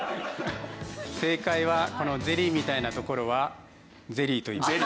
正解はこのゼリーみたいなところはゼリーといいます。